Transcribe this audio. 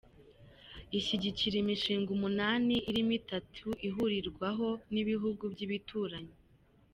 Ishyigikira imishinga umunani irimo itatu ihurirwaho n’ibihugu by’ibituranyi.